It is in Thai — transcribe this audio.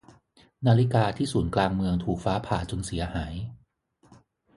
นาฬิกาที่ศูนย์กลางเมืองถูกฟ้าผ่าจนเสียหาย